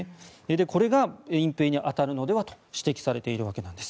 これが隠ぺいに当たるのではと指摘されているわけです。